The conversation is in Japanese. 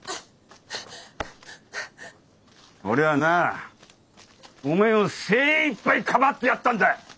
俺はなぁおめえを精いっぱいかばってやったんだ。